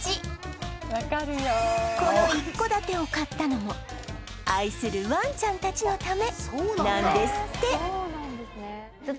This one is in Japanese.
この一戸建てを買ったのも愛するワンちゃんたちのためなんですって